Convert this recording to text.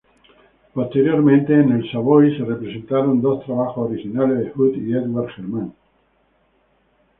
Posteriormente en el Savoy se representaron dos trabajos originales de Hood y Edward German.